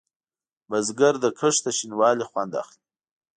بزګر د کښت د شین والي خوند اخلي